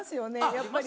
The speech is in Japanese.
やっぱり。